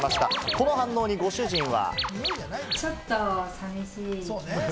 この反応にご主人は。